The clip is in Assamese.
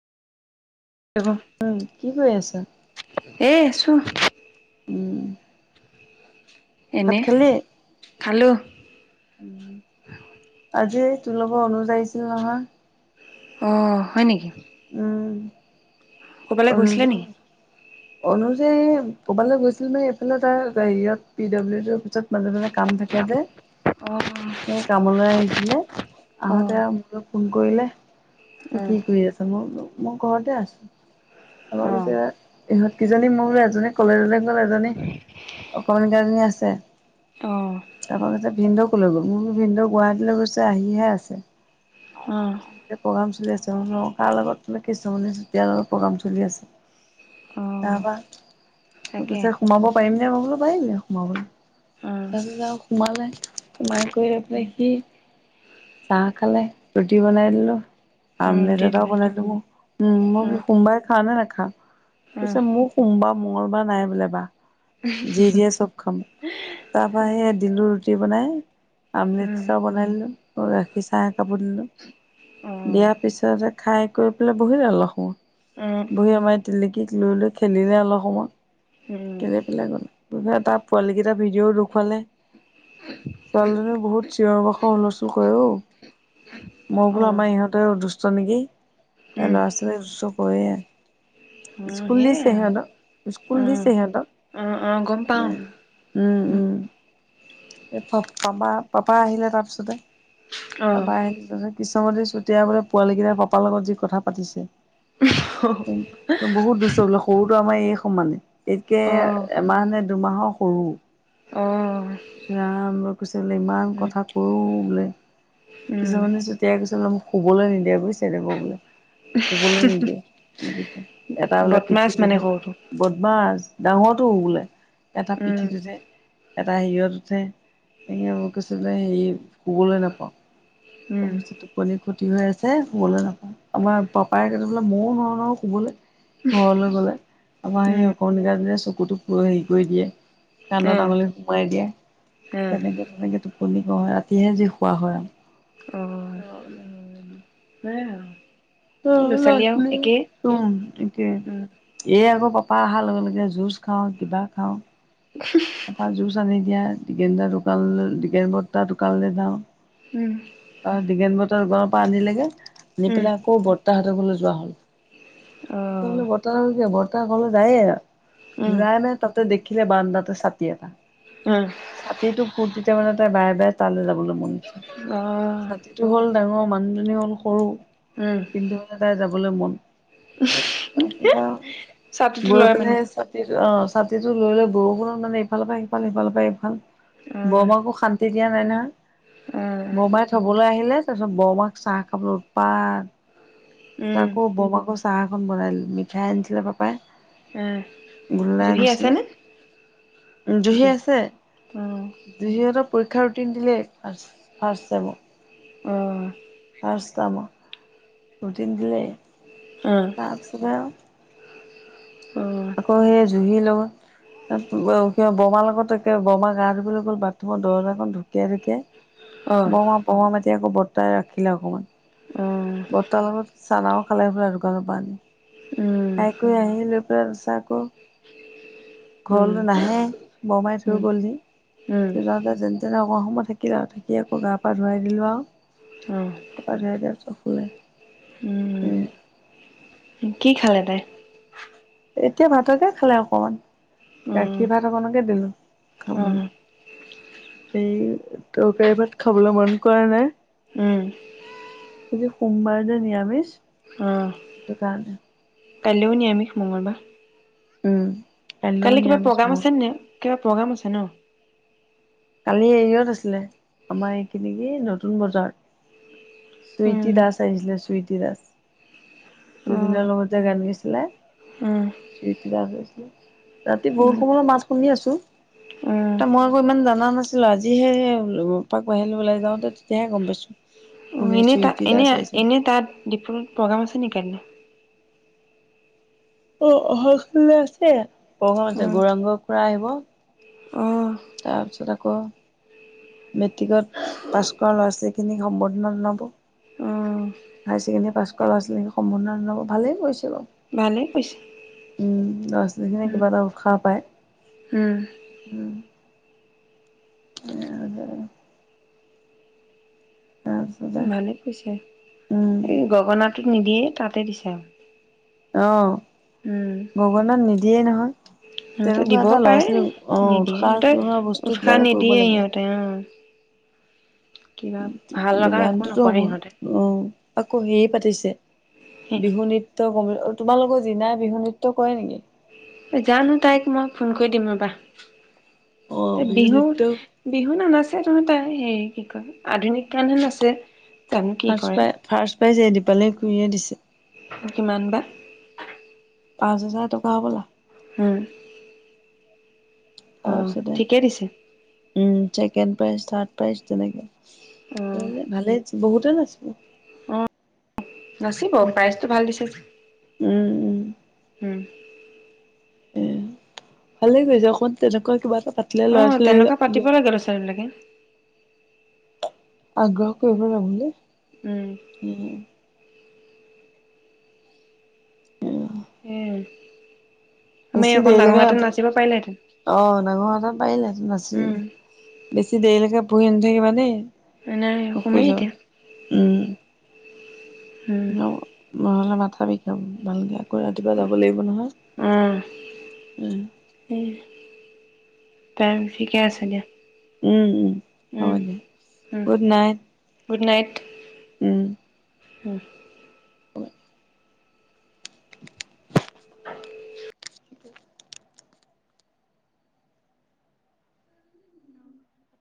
উম, কি কৰি আছা? অ উম', এনে ভাত খালী? খালো। আজি। তোৰ লগৰ অনুয আহিছিল নহয় অ, হয় নেকি? উম, ক'বালৈ গৈছিলে নেকি? অনুযে ক'ৰবালৈ গৈছিল মান এইফালে তাৰ হেৰীয়ত পি ডাব্লিউ। মাজে মাজে কাম থাকে যে, অ সেই কামলৈ আহিছিলে অ আহোঁতে আৰু মুলে ফোন কৰিলে অ [unintelligible] কি কৰি আছ? মোৰ ঘৰতে আছো। হ'ব অ পিছে ইহঁত কিজনী মোৰ এজনী কলেজলৈ গ'ল এজনী অকমান কেইজনী আছে, অ তাৰপৰা কৈছে ভিনদেউকোলৈ গ'ল মোৰ ভিনদৌউ গুৱাহাটীলৈ গৈছে আহিহে আছে। অ কবিচোন ভালে আছ ন তাৰ লগত মানে কিছুমানে যেতিয়া লগত প্ৰগ্ৰাম চলি আছে অ তাৰপৰা তাকে সুধিলে সোমাব পাৰিম [unintelligible] [inaudible] সোমাবলৈ অ তাৰপিছত আৰু সোমালে সোমাই কৰি লৈ পেলাই সি চাহ খালে ৰুটি বনাই দিলোঁ আমলেট ৰুটি [unintelligible] দিলে উম মই অ সোমবাই খা নে [inaudible] হা কৈছে মোক সোমবা মঙ্গলবাৰ নাই বোলে বা যি দিয়ে চব খাম তাৰপৰা সেই দিলোঁ ৰুটি বনাই আমলেট উম এটাও বনাই দিলোঁ গাখীৰ চাহ কাপোৰ দিলোঁ দিয়াৰ পিছতে খাই কৰি পেলাই বহিলে অলপ সময় উম অ বহি আমাৰ তিলিকীক লৈ লৈ খেলিলে অলপ সময় উম উম খেলি পেলাই গ'ল তাৰ পোৱালীকেইটাৰ ভিডিঅ'ও দেখুৱালে ছোৱালীজনীও বহুত চিঞৰ বাখৰ হুলস্থুল কৰে অঔ মই অ বোলো আমাৰ ইহঁতে অ দুুষ্ট নেকি এ উম ল'ৰা ছোৱালী অ [unintelligible] কৰে স্কুল সেইয়াই দিছে আৰু সিহঁতক অ স্কুল দিছে সিহঁতক অ গম পাও উম উম এই প পাপা পাপা আহিলে তাৰপিছতে অ পাপা আহিলে তাৰপিছতে কৃষ্ণমণি চুতীয়াবোলে পোৱালীকেইটা পাপা পা লগত যি কথা পাতিছে [unintelligible] অহহ বহুত দুষ্ট বোলে সৰুটো আমাৰ এই সমানে এইতকে অ এমাহ নে দুমাহৰ সৰু অ ইছৰাম কৈছে বোলে ইমান উম কথা কয় অ বোলে উম কৃষ্ণমণি চুতীয়াই কৈছে বোলে মোক শুবলৈ নিদিয়ে বুইছ [unintelligible] শুবলৈ নিদিয়ে এইকেইটা এটা বোলে বদমাছ পিঠিত মানে উঠে সৰুটো বদমাছ ডাঙৰটোও বোলে এটা উম পিঠিত উঠে এটা হেৰিঅত উঠে মোক কৈছে যে হেৰি শুবলৈ নাপাওঁ উম তাৰপিছত টোপনি ক্ষতি হৈ আছে শুবলৈ নাপাওঁ আমাৰ পাপাই কৈছে বোলে ময়ো নোৱাৰো ন শুবলৈ ঘৰলৈ গ'লে আমাৰ সেই উম অকমাণিকাজনীয়ে চকুটো হেৰি কৰি দিয়ে কাণত উম আঙুলি সোমাই দিয়ে উম তেনেকৈ তেনেকৈ টোপনি কৰা হয় ৰাতিহে যি শোৱা হয় আৰু অ সেয়াই আৰু ল'ৰা ছোৱালী আৰু একেই [unintelligible] উম আকৌ পাপা আহা লগে লগে যুছ খাওঁ কিবা খাওঁ পাপা জুচ আনি দিয়া টিকেনদা দোকানলে টিকেন বৰতা দোকানলে যাওঁ উম তাৰ দিগেনবট [unintelligible] আনিলেগে আনি উম পেলাই আকৌ বৰতাহঁতৰ ঘৰলে অ [inaudible] হলে বৰ্তা কি [inaudible] ত ঘৰলে যায়ে এ উম যায় নে তাতে দেখ [inaudible] [inaudible] উম ছাতিটো ফূৰ্তিতে মানে ত বাই বাই তালৈ যাবলৈ মন অ [unintelligible] ছাতিটো হ'ল ডাঙ মানুহজনী হল সৰু উম কিন্তু, তাই যাব। যাবলে মন ত', বা, চাহটোতো লয় মানে [unintelligible] ছাতিটো লৈ ললে বৰষুণত মানে, ইফালৰ পৰা সিফাল, সিফালৰ পৰা ইফাল বৰ উম -মাকো শান্তি দিয়া নাই, না',। উম বৰ-মাই থ'বলৈ আহিলে, তাৰপিছত বৰ-মাক চাহ খাবলৈ উৎপাত উম আকৌ বৰ -মাকৰ চাহ এখন বনাই দিলোঁ মিঠাই আনিছিলে পাপাই। উম গুল্লা জুহি আনিছিলে। আছেনে উম, জুহি আছে অ জুহিহঁতৰ পৰীক্ষ, - পৰীক্ষা ৰুটিন দিলে ফাৰ্ষ- ফাৰ্ষ্ট চেমৰ, অহ', [unintelligible] ৰুটিন দিলে, অ তাৰপিছত আও, অ আকৌ সেই জুহি লগ, ' ক বমাৰ লগত একে বমা গা ধুিবলৈ গ'ল বাথৰুমৰ দৰজাখন ঢুকিয়ীয়া ঢুকিয়ীয়া অ বৰ্মা -বৰ্মা মাতে আকৌ এতিয়া বৰ্তা, তাই, ৰাখিলে অকণমান। অঁ চানাও খালে পাই দোকানৰ পৰা আনি, উম খাই কৰি আহি লৈ পেলাই তাৰপিছত আকৌ উম ঘৰলৈ নাহে, বৰমাই থৈ উম গ'ল যি, উম থৈ ', যাওঁতে যেনে -তেনে অকণ সময় থাকিলে আৰু থাকি আকৌ গা-পা ধুৱাই দিলোঁ আৰু অ গা - পা ধুৱাই দিয়া পিছত শুলে। উম কি খালে, তাই? এতিয়া ভাতকে খালে অকমান। উম গাখীৰ ভাত অকনকে দিলো। অ খাবলৈ, এই ', তৰকাৰী -ভাত খাবলৈ মন কৰা নাই উম আজি সোমবাৰ যে, নিৰামিষ অ সেইটো কাৰণে, - কাইলৈও নিৰামিষ মঙ্লবাৰ। উম্', কালি কিবা প্ৰগ্ৰাম আছে নে কিবা প্ৰ'গ্ৰাম আছে ন',? কালি এৰিয়ত আছিলে আমাৰ এইখিনি যে নতুন - বজাৰ। চুইতি উম দাস আহিছিলে, চুইতী, - ধিৰাজ, উম জুবিনৰ লগতে যে গান গাইছে, লে, উম [unintelligible] ৰাতি বহুত উম উম সময়ত মাছ শুনি আছো। অ ত মই গৈ ইমান যাম। জনা নাছিলো আজিহে এপাক বাহিৰলৈ ওলাই যাওঁতে তেতিয়াহে গম পাইছো। অ কোনে এনেই তা চুইটি এনেই দাস আহিছিল এনেই তাত ডিপত প্ৰগ্ৰাম আছে নেকি? অ অহা কালে আছে। প্ৰগাম আছে উম গৌৰাংগ খুৰা আহিব। অ তাৰপিছত আকৌ। মেট্ৰিকত পাছ কৰা ল'ৰা ছোৱালীখিনিক সম্বৰ্ধনা জনাব। অ হায় ছেকেডোৰী পাছ কৰা ল'ৰা ছোৱালী খিনিক সম্বধনা জনাব ভালেই কৰিছে। ভালেই কৈছে উম লৰা ছালীখিনি উম কিবা এটা উৎসাহ পায় উম উম। উ ভালে কৈছে উম, এই গগনাটোত নিদিয়ে। তাতে দিছে আৰু। অ উম গগনাত নিদিয়েই নহয় সিহঁতে তেনেকুৱা দিবও এটা ল'ৰা পাৰে ছোৱালী আহ নিদিয়ে উৎসাহ সিহঁতে জনোৱা বস্তু উৎসাহ কিবা এটা কৰিব নিদিয়ে লাগে। সিহঁতে অ কিবা ভাল লগা একো গানটোতো হ'ব নকৰে সিহঁতে অ আকৌ হেই পাতিছে বিহু নৃত্যক তোমালোকৰ যিনাই বিহু নৃত্য কৰে নেকি। জানো তাইক মই ফোন কৰি দিম ৰবা। অ', ত বিহু নৃত্য বিহু নানাচে। হেই টো কাৰনে তাই হেই কি কয় আধুনিক গান নাচে। জানো কি ফ্ৰাছ কৰে পাই ফ্ৰাছ। প্ৰাইজ দিপালি খুৰিয়ে দিছে। কিমান বা। পাঁচ হাজাৰ টকা হব'লা। উম অ তাৰপিছতে ঠিকেই দিছে। উম ছেকেণ্ড প্ৰাইজ থাৰ্ড প্ৰাইজ অ তেনেকে ভালেই দিছে। বহুতে নাছিব। অ নাচিব প্ৰাইজটো ভাল দিছে। উম উম উহ এ ভালে কৰিছে অকণ তেনেকুৱা কিবা এটা পাত। অ তেনেকুৱা পাতিব লাগে ল'ৰা ছোৱালী বিলাকে। আগ্ৰহ কৰিব [unintelligible] উম উম। উম এ আমি বেছি অকণ ডাঙৰ দেৰিলৈকে হোৱাহেতেন ৰাতি নাচিব পাৰিলেহেঁতেন অ ডাঙৰ হোৱাহেতেন উম পাৰিলেহেঁতেন নাচি দেৰিলেকে পঢ়ি নাথাকিবা দেই। নাই শুই শুমেই যাবা এতিয়া উম। উম ন মই মানে তথাপিও ভালে দিয়া কৰাতিপুৱা যাব লাগিব নহয়? অ উম। টাইম ঠিকে আছে দিয়া। উম উম হব উম দিয়া উম গুড নাইট। Good night. উম উম উম